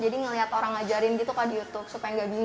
jadi ngeliat orang ngajarin gitu kak di youtube supaya nggak bingung